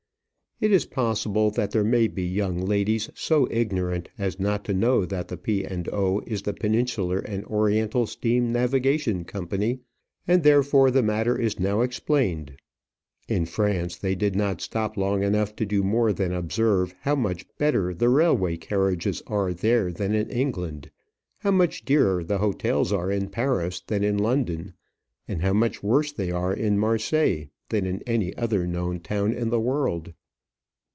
It is possible that there may be young ladies so ignorant as not to know that the P. and O. is the Peninsular and Oriental Steam Navigation Company, and therefore the matter is now explained. In France they did not stop long enough to do more than observe how much better the railway carriages are there than in England, how much dearer the hotels are in Paris than in London, and how much worse they are in Marseilles than in any other known town in the world.